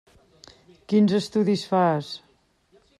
Quins estudis fas?